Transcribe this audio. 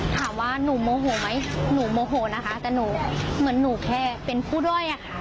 ถามว่าหนูโมโหไหมหนูโมโหนะคะแต่หนูเหมือนหนูแค่เป็นผู้ด้วยอะค่ะ